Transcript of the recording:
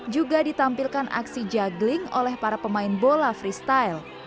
juga ditampilkan aksi juggling oleh para pemain bola freestyle